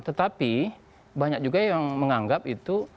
tetapi banyak juga yang menganggap itu